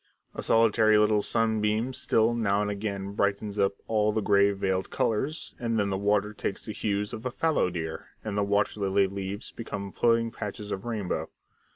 A solitary little sunbeam still now and again brightens up all the grey veiled colours, and then the water takes the hues of a fallow deer, and the water lily leaves become floating patches of rainbow.